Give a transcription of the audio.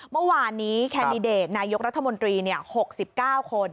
เมื่อวานนี้แคนดิเดตนายกรัฐมนตรี๖๙คน